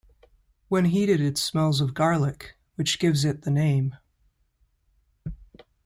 When heated it smells of garlic, which gives it the name.